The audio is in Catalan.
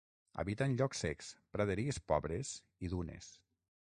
Habita en llocs secs, praderies pobres i dunes.